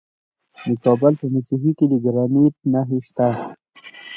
د کابل په موسهي کې د ګرانیټ نښې شته.